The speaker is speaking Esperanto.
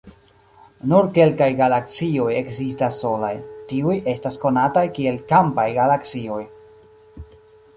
Nur kelkaj galaksioj ekzistas solaj; tiuj estas konataj kiel "kampaj galaksioj".